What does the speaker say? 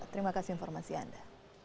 terima kasih informasi anda